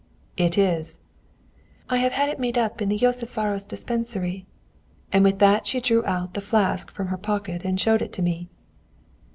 "It is." "I have had it made up in the Józsefváros dispensary." And with that she drew out the flask from her pocket and showed it me.